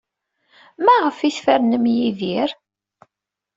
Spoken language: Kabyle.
Maɣef ay tfernem Yidir?